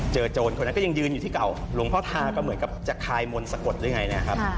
โจรคนนั้นก็ยังยืนอยู่ที่เก่าหลวงพ่อทาก็เหมือนกับจะคายมนต์สะกดหรือไงนะครับ